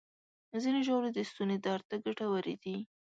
ځینې ژاولې د ستوني درد ته ګټورې دي.